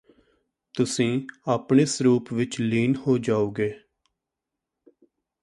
ਤੁਸੀਂ ਆਪਣੇ ਸਰੂਪ ਵਿੱਚ ਲੀਨ ਹੋ ਜਾਓਗੇ